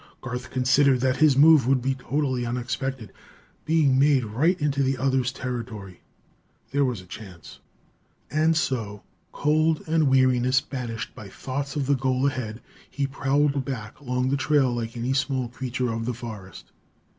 Garth considered that his move would be totally unexpected, being made right into the other's territory. There was a chance. And so, cold and weariness banished by thoughts of the goal ahead, he prowled back along the trail like any small creature of the forest.